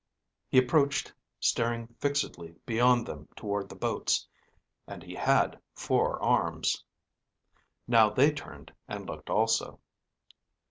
He approached staring fixedly beyond them toward the boats. And he had four arms. Now they turned and looked also.